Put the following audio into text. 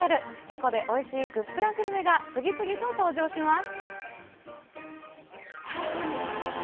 エコでおいしいグップラグルメが次々と登場します。